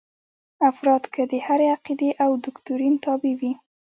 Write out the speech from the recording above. افراد که د هرې عقیدې او دوکتورین تابع وي.